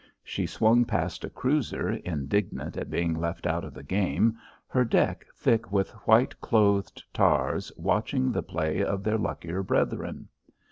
She swung past a cruiser indignant at being left out of the game, her deck thick with white clothed tars watching the play of their luckier brethren.